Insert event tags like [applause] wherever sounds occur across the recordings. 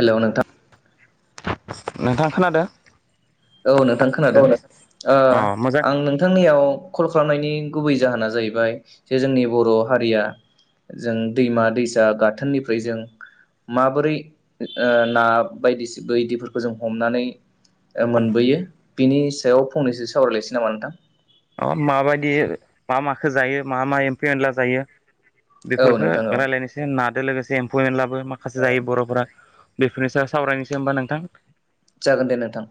हेल' नोंथां। नोंथां खोनादों? औ नोंथां खोनादों ओ अ मोजां आं नोंथांनियाव कल खालामनायनि गुबै जाहोना जाहैबाय जे जोंनि बर' हारिया जों दैमा -दैसा गाथोननिफ्राय जों माबोरै ना बायदिसिबो इदिफोरखौ जों हमनानै मोनबोयो बिनि सायाव फंनैसो सावरायलायसै नामा नोंथां? माबायदि मा -माखो जायो मा -मा एमफु एनला जायो। औ बेफोरखौ नोंथां औ राय्लायनोसै नादो लोगोसे एमफौ एनलाफोर माखासे औ जायो बर'फोरा बेफोरनि सायाव सावरायनोसै होमबा नोंथां? जागोन दे नोंथां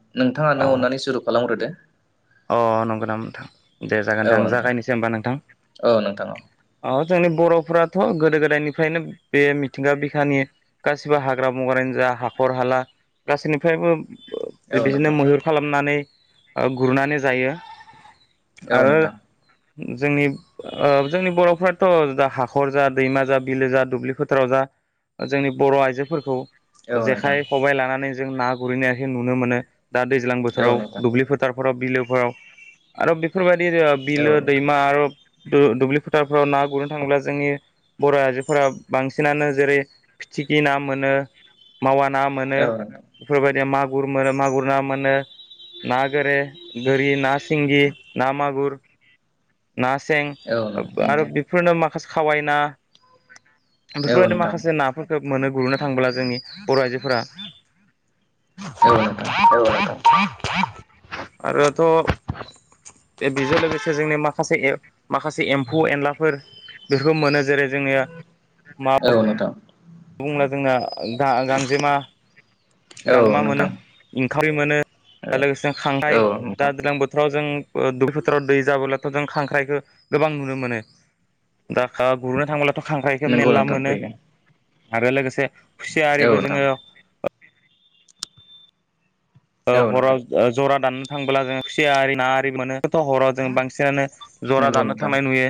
अ नोंथाङानो अन्नानै सुरु खालामग्रोदो। अ नंगौ नामा नोंथां दे जागोन दां औ आं नोंथां जागायनोसै होमबा नोंथां औ नोंथां औ अ जोंनि बर'फ्राथ' गोदो गोदायनिफ्रायनो बे मिथिंगा बिखानि गासिबो हाग्रा -बंग्रानो जा हाखर- हाला गासैनिफ्रायबो ओ औ बिदिनो नोंथां मैहुर खालामनानै गुरनानै जायो। औ आरो नोंथां। जोंनि ओ जोंनि बर'फ्राथ' दा हाखर जा दैमा जा बिलो जा दुब्लि फोथाराव जा जोंनि बर' आइजोफोरखौ। औ नोंथां जेखाइ खबाय लानानै जों ना गुरैनायाखै नुनो मोनो। दा दैज्लां औ बोथोराव, नोंथां दुब्लि फोथार फोराव बिलोफोराव आरो बे [inaudible] बिलाआव औ नोंथां बिलो दैमा आर। दुब्लि फोथारफ्राव ना गुरनो थाङोब्ला जोंनि बर' आइजोफोरा बांसिनानो जेरै फिथिग्रि ना मोनो। मावा ना मोनो औ नोंथां बेफोरबायदि मा गुर मोनो मागुर ना मोनो ना गोरे गोरि ना सिंगि। ना मागुर। ना सें औ आरो नोंथां बेफोरनो मा फास खावै ना। औ बेफोरबायदिनो नोंथां माखासे नाफोरखो मोनो गुरनो थांब्ला जोंनि बर' आइजोफोरा औ नोंथां। आरोथ'। थे बेजो लोगोसे जोंनि माखासे माखासे एम्फौ एनलाफोर बेफोरखौ मोनो जेरै जोङो मा औ नोंथां बुङो जोंना गा-गांजेमा। औ गांमा मोनो नोंथां ओंखाम मोनो आरो औ लोगोसे खांखाइ औ दा नोंथां ज्लां बोथोराव जों बो दु फोथाराव दै जाबोलाथ' जों खांख्राइखौ गोबां नुनो मोनो दाखा गुरनो थांब्ला खांख्राइखो नंगौ मेलला नोंथां मोनो। फैगोन आरो लोगोसे खुसिया औ आरिबो नोंथां जोङो ओ औ नोंथां हराव जरा दान थांब्ला जों खुसिया आरि ना आरि मोनो गथ' हराव जों बांसिनानो जरा नंगौ दाननो नोंथां थांनाय नुयो।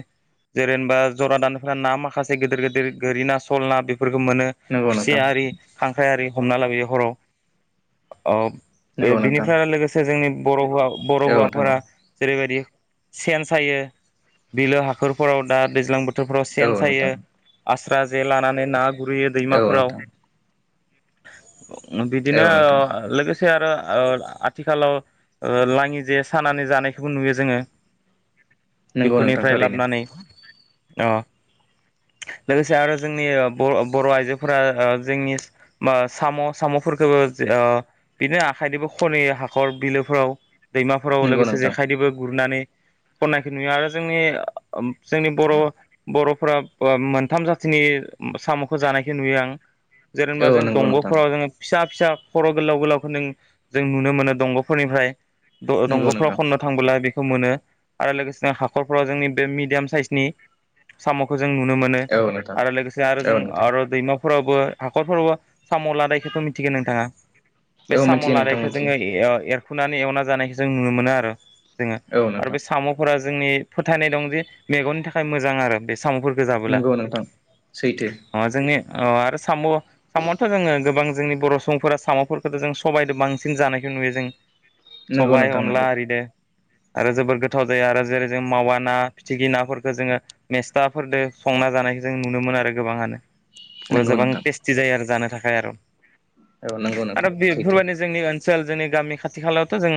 जेरेनबा जरा दानायफोरा ना माखासे गिदिर गिदिर गोरि ना सल ना बे फोरखो मोनो नंगौ खुसि नोंथां आरि खां ख्रायारि हमना लाबोयो हराव [unintelligible] बे नंगौ नोंथां बिनिफ्राय लोगोसे जोंनि बर' हौआ बर' औ नोंथां हौवाफोरा औ जेरैबायदि सेन सायो बिलो हाखरफोराव दा दैज्लां बो थोरफ्राव सेन औ सायो नोंथां आस स्रा जे लानानै ना गुरैयो औ दैमाफोराव। नोंथां बिदिनो औ ओ नोंथां लोगोसे से आरो ओ आथिखालाव ओ लाङि जे सानानै जानायखौबो नुयो जोङो। नंगौ नोंथां बेफोरनिफ्राय थारैनो लाबनानै अ लोगोसे आरो जोंनि बर' बर' आइजोफोरा ओ जोंनि बा साम' साम' फोरखोबो ओ [unintelligible] खाइदोबो खनैयो हाखर बिलोफोराव दैमाफोराव नंगौ लोगोसे नोंथां जेखाइदोबो गुरनानै खननायखौ नुयो आरो जोंनि ओम जोंनि बर' बर'फोरा ओ मोनथाम जाथिनि साम'खौ जानायखौ नुयो आं। औ जेनेबा जों नंगौ नोंथां दंग'फोराव जोङो फिसा फिसा खर' गोलाव गोलावखौ नों जों नुनो मोनो दंग'फोरनिफ्राय ओ नंगौ दंग'फ्राव नोंथां खननो थांबोला बे खौ मोनो आरो लोगोसेनो हाखरफ्राव जोंनि बे मिडियाम साइजनि साम' खौ जों नुनो मोनो औ नोंथां आरो लोगोसे आरो जों औ नोंथां आरो दैमाफोरावबो हाखरफोरोवबा साम' लादानायखोथ' मिथिगो नोंथाङा बे औ मिथियो नोंथां लानायखौ मिथियो जोङो इ ओ एरखुनानै एवना जानायखौ जों नुनो मोनो आर। जोङो औ आरो नोंथां बे साम'फोरा जोंनि फोथायनाय दं जे मेगननि थाखाय मोजां आरो बे साम'फोरखौ जाबोला नंगौ नोंथां सैथो माबा जोंनि अ आरो सामु सामुवाथ' दोङो गोबां जोंनि बर' सुबुंफोरा साम'फोरखौथ' जों सबाइदो बांसिन जानायखौ नुयो जों। नंगौ सबाइ नोंथां नंगौ अनला आरिदो। आरो जोबोर गोथाव जायो आरो जेरै जों मावा ना फिथिग्रि नाफोरखौ जोङो मेस्थाफोरदो संना जानायखौ जों नुनो मोनो आरो गोबाङानो। अ नंगौ जोबां नोंथां टेस्टि जायो आरो जानो। थाखायाय आर' औ नंगौ नोंथां सै फोरमायनो जोंनि ओनसोल जोंनि गामि खाथि खालायावथ' जों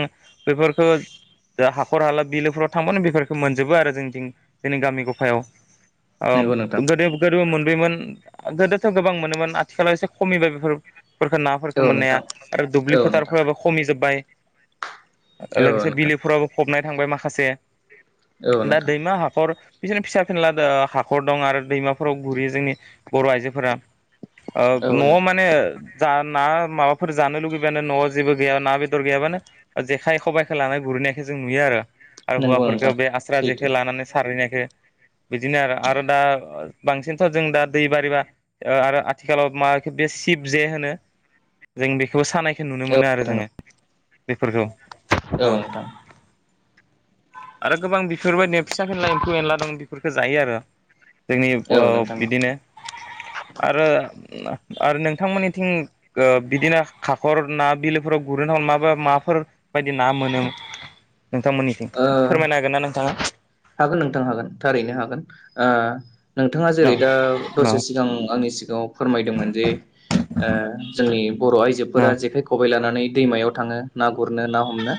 बेफोरफोरखो हाखर हाला बिलोफोराव थांबानो बेफोरफोरखौ मोनजोबो आरो जोंथिं जोंनि गामि गफायाव। ओब नंगौ नोंथां गोदोब गोदोबो मोन [unintelligible] मोन गोदोथ' गोबां मोनोमोन आथिखालाव एसे खमिबाय बेफोर। फोरखो नाफोरखो औ मोननाया। नोंथां आरो औ दुब्लि नोंथां फोथारफोराबो खमि जोब्बाय। औ लोगोसे नोंथां बिलोफोराबो फबनाय थांबाय माखासे औ दा नोंथां दैमा हाखर बिसोरनो फिसा फिनलाद हाखर दं आरो दैमाफोराव गुरैयो जोंनि बर' आइजोफोरा। ओ औ न'वाव नोंथां माने जा ना माबाफोर जानो लुुबैबानो न'आव जेबो गैया ना बेदर गैयाबानो जेखाइ खबाइखौ लानानै गुरहैनायखो जों नुयो आरो। आरो नंगौ नोंथां हौवाफोरफोरखौ बे आस्रा सैथो जेखौ लानानै सारहैनायखो बिदिनो आरो। आरो दा बांसिनथ' जों दा दै बारिबा आरो आथिखालाव मा बे सिब जे होनो जों बेखौ सानाय बे नुनो औ मोनो आरो नोंथां जोङो। फोरफोरखौ ओ औ नोंथां आरो गोबां बि बेफोरबायदिनो फिसा फिनला एम्फौ एनला दं बेफोरखो जायो आरो। जोंनि औ ओ नोंथां बिदिनो आरो आरो नोंथांमोननिथिं ओ बिदिनो खाखर ना बिलोफोराव गुरनो थांबाबो माफोर बादि ना मोनो नोंथांमोननिथिं ओ फोरमायनो हागोन ना नोंथाङा हागोन नोंथां हागोन थारैनो हागोन ओ नोंथाङा औ जेरै दा औ दसे सिगां आंनि सिगाङाव फोरमायदोंमोन जे ओ जोंनि बर' आइजोफोरा जेखाइ खबाइ लानानै दैमायव थाङो ना गुरनो ना हमनो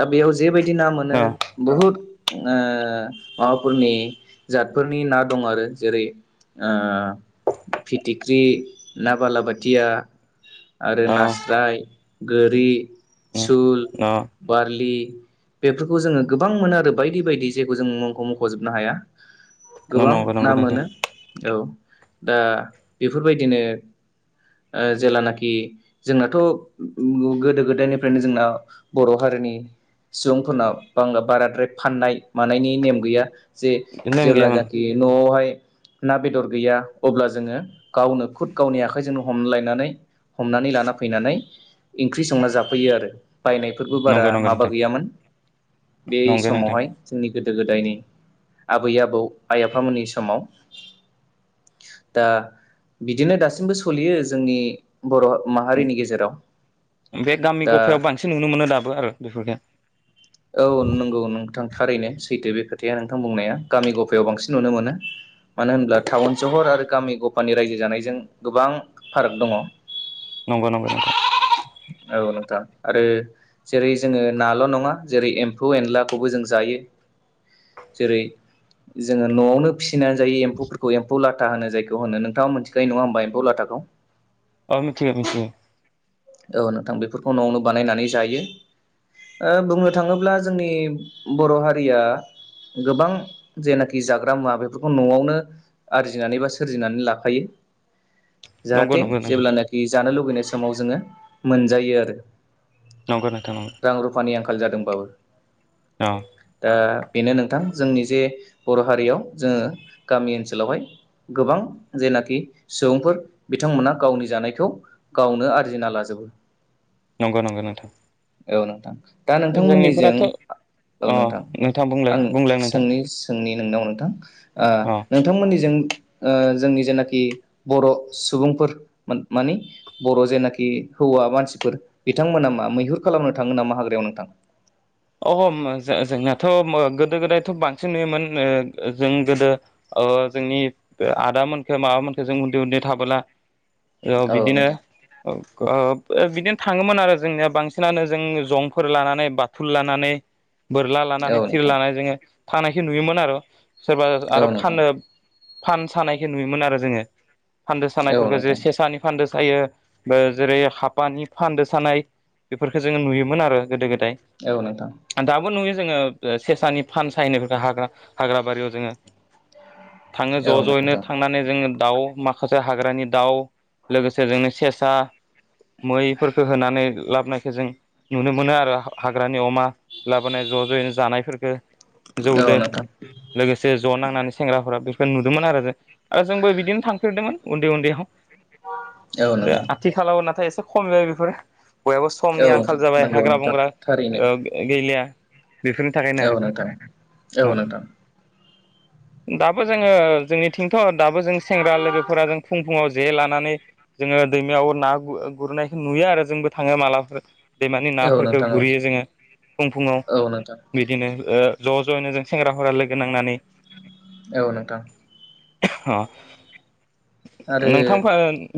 दा बेयाव जे बाय दि ना मोनो बुहुत ओ माबाफोरनि जातफोरनि ना दं आरो जेरै ओ फिथिख्रि ना बालाबाथिया आरो औ नास्राय गोरि सुल, बारलि बेफोरखौ जोङो गोबां मोनो आरो बायदि बायदि जेखौ जों मुंखौ मख'जोबनो हाया। गोबां नंगौ ना नंगौ नोंथां मोनो। औ दा बेफोरबायदिनो ओ जेलानाखि जोंनाथ' गोदो गोदायनिफ्रायनो जोंना बर' हारिनि सुबुंफोरनाव बबाराद्राय फाननाय मानायनि नेम गैया। जे नेम गैयामोन जेलानाखि न'आवहाय ना बेदर गैया अब्ला जोङो गावनो खुद गावनि आखाइजोंनो हमलायनानै हमनानै लाना फैनानै ओंख्रि संना जाफैयो आरो बायनायफोरबो बारा नंगौ नंगौ माबा नोंथां गैयामोन बे नंगौ नोंथां समावहाय जोंनि जों गोदो गोदायनि आबै आबौ आइ आफामोननि समाव दा बिदिनो दासिमबो सलियो जोंनि बर' माहारिनि गेजेराव बे गामि दा गफायाव बांसिन नुनो मोनो दाबो आरो बेफोरखो औ नंगौ नोंथां थारैनो सैथो बे खोथाया नोंथां बुंनाया गामि गफायाव बांसिन नुनो मोनो मानो होनोब्ला टाउन सहर आरो गामि गफानि रायजो जानायजों गोबां फाराग दङ नंगौ नंगौ नंगौ औ नोंथां आरो जेरै जोङो नाल' नङा जेरै एम्फौ एनलाखौबो जों जायो जेरै जोङो न'आवनो फिसिनानै जायो एम्फौफोरखौ एम्फौ लाथा होनो जायखौ होनो नोंथाङा मोनथिखानाय नङा होमबा एम्फौ लाथाखौ औ मिथियो मिथियो औ नोंथां बेफोरखौ न'आवनो बानायनानै जायो बुंनो थाङोब्ला जोंनि बर' हारिया गोबां जेनाखि जाग्रा मुवा बेफोरखौ न'आवनो आरजिनानै बा सोरजिनानै लाखायो नंगौ जाहाथे नंगौ नोंथां जेब्लानाखि जानो लुुबैनाय सम समाव जोङो मोनजायो आरो नंगौ नोंथां नंगौ रां रुफानि आंखाल जादोंबाबो औ दा बेनो नोंथां जोंनि जे बर' हारियाव जोङो गामि ओनसोलावहाय गोबां जेनाखि सुबुंफोर बिथांमोना गावनि जानायखौ गावनो आरजिना लाजोबो नंगौ नंगौ नोंथां औ नोंथां दा नोंथांमोननिजों जोंनिफोराथ' औ अ नोंथां बुंलाय आं बुंलाय नोंथां सोंनि सोंनि नोंनाव नोंथां अ नोंथांमोननिजों जोंनि जेनाखि बर' सुबुंफोर मानि बर' जेनाखि हौवा मानसिफोर बिथांमोना मा मैहुर खालामनो थाङो नामा हाग्रायाव नोंथां अ जोंनाथ' गोदो गोदायथ' बांसिन नुयोमोन जों गोदो जोंनि आदामोनखो माबामोनखो जों उन्दै उन्दै थाबोला औ बिदिनो बिदिनो थाङोमोन आरो जोंनिया बांसिनानो जों जंफोर लानानै बा थुल लानानै बोरला औ लानानै थिर नोंथां लानानै जोङो थांनायखो नुयोमोन आरो सोरबा आरो औ नोंथां फानो फान सानायखौ नुयोमोन आरो जोङो फान्दो औ सानायफोरखौ जे नोंथां सेसानि फान्दो जायो जेरै हाफानि फान्दो सानाय बेफोरखौ जोङो नुयोमोन आरो गोदो गोदाय औ नोंथां दाबो नुयो जोङो सेेरसानि फान सायनाय हाग्रा बारियाव जोङो थाङो ज औ ज यैनो नोंथां थांनानै जोङो दाउ माखासे हाग्रानि दाउ लोगोसे जोंनि सेसा मैफोरखौ होनानै लाब नाय जों नुनो मोनो आरो हाग्रानि अमा लाबोनाय ज जयैनो जानायफोरखौ औ जौदो नोंथां लोगोसे ज नांनानै सेंग्राफोरा बे जों नुदोंमोन आरो जे ओ जोंबो बिदिनो थांफेरदोंमोन उन्दै उन्दै औ आव नोंथां आथिखालाव नाथाय सब खम जायो बेफोरो बयहाबो समनि औ आंखाल जाबाय नंगौ हाग्रा नोंथां बंग्रा थारैनो ओ गैलिया बेफोरनि थाखायनो औ आरो नोंथां औ नोंथां दाबो जोङो जोंनिथिंथ दाबो जों सेंग्रा लोगोफोरा जों फुं फुङाव जे लानानै जोङो दैमायाव ना गु गुरनायखौ नुयो आरो जोंबो थाङो मालाबाफोर दैमानि औ नाफोरखौ नोंथां औ गुरैयो जोङो फुं फुङाव औ नोंथां बिदिनो ओ ज जयैनो जों सेंग्राफोरा लोगो नांनानै औ नोंथां अ [unintelligible] आरो नोंथांफा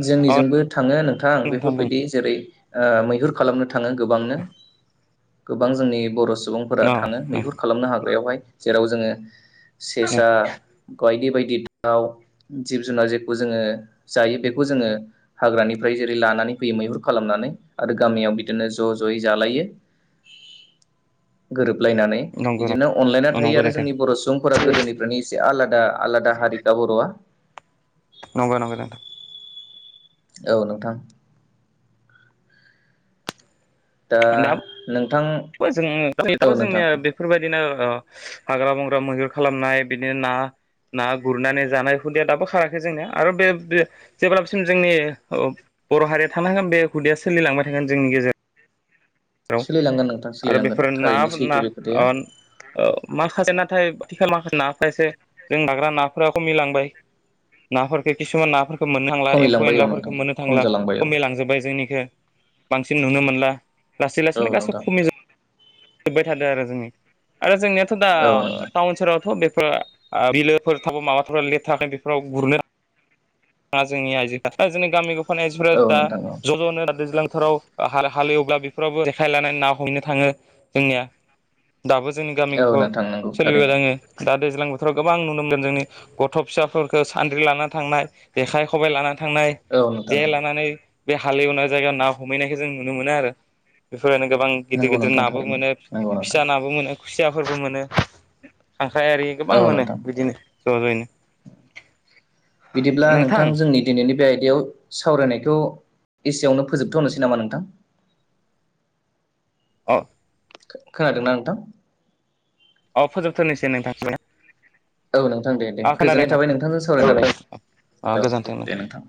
जोंनिजोंबो थाङो नों थां नोंथां बुं बेफोरबायदि अ जेरै ओ मैहुर खालामनो था थाङो गोबांनो गोबां जोंनि बर सुबुंफोरा थाङो मैहुर खालामनो हाग्रायावहाय जेराव जोङो सेसा बायदि बायदि गिाव [unintelligible] जिब जुनार जि जोङो जायो बेखौ जोङो हाग्रानिफ्राय जेरै लानानै फैयो मैहुर खालामनानै आरो गामियाव बिदिनो ज जयै जालायो गोरोब लायनानै नंगौ बिदिनो अनलायना थायो नंगौ आरो नोंथां जोंनि बर सुबुंफोरा गोदोनिफ्रायनो एसे आला दा आलादा हारिका बर'आ नंगौ नंगौ नोंथां औ नोंथां ओ दा नोंथां बो जों औ ओरैनोथ नोंथां जोंनिया बेफोरबायदि दिनो ओ हाग्रा बंग्रा मैहुर खालामनाय बिदिनो ना ना गुरनानै जानाय हुदाया दाबो खाराखै जोंनिया आरो बेब बे जेब्लासिम जोंनि ओ बर' हारिया थांनांगोन बे हुदाया सोलिलांबाय थागोन जोंनि गेजे राव सोलिलांगोन नोंथां आरो सोलिलांगोन बेफोरो थारैनो नाफोर ना सैथो बे खोथाया अ औ माखासे ना थाय आथिखाल माखासे नाफ्रासो जों जाग्रा नाफोरा खमिलांबाय नाफोरखौ किसुमान नाफोर खो मोननो थांला एम्फौ खमायलांबाय औ एनलाफोरफोरखौ नोंथां मोननो खम थांला जालांबाय औ खमिलांजोबबाय जोंनिखै बांसिन नुनो मोनला लासै लासैनो औ गासै नोंथां खमि जोब्बाय थादों आरो जोंनि आरो जोंनिआथ' दा औ नोंथां टावोन सोहोरावथ' बेब फोरा आ बिलोफोर [unintelligible] बेफोराव गुरनो आ जोंनि आइजोआ ओ जोंनि गामिखौ थानाय सिफोरा औ दा नोंथां ज' ज'नो दैज्लां बोथोराव हा हालेवब्ला बेफोरावबो जेखाय लानानै ना हमैनो थाङो जोंनिया दाबो जोंनि गामि औ औ गफाव नोंथां नंगौ सोलिबाय थारैनो दङो। दा दैज्लां बोथोराव गोबां नुनो मोनगोन जोंनि गथ' फिसाफोरखौ सान्द्रि लाना थांनाय जेखाय खबाय लाना थांनाय औ नोंथां जे लानानै बे हालेवनाय जायगायाव ना हमहैनायखौ जों नुनो मोनो आरो फोनो गोबां गिदिर नंगौ गिदिर नोंथां नाबो थारैनो मोनो नंगौ नोंथां फिसा नाबो मोनो खुसियाफोरबो मोनो खांख्रायारि गोबां औ मोनो नोंथां बिदिनो ज' ज'यैनो ब्ला नोंथां जोंनि दिनैनि बे आयदायाव सावरायनायखौ एसेआवनो फोजोबथ'नोसै नामा नोंथां? अ खो-खोनादोंना नोंथां? अ फोजोबथ'नोसै नोंथां औ नोंथां दे दे अ खोनादों गोजोननाय थाबाय नोंथांजों नोंथां सावरायनानै अ औ गोजोन्थों दे दे नोंथां।